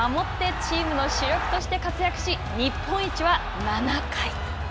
チームの主力として活躍し、日本一は７回。